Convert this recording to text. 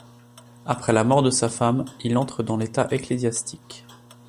Après la mort de sa femme, il entre dans l'état ecclésiastique.